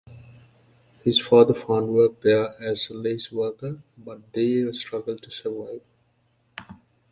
His father found work there as a lace worker, but they struggled to survive.